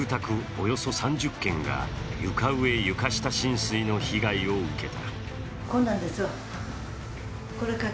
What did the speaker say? およそ３０軒が床上・床下浸水の被害を受けた。